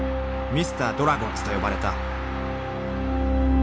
［ミスタードラゴンズと呼ばれた］